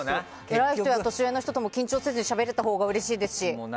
偉い人や年上の人と緊張せずに話せたほうがうれしいですし。